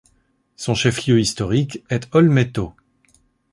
Son chef-lieu historique est Olmeto.